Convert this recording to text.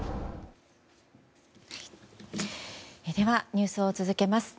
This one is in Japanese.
ニュースを続けます。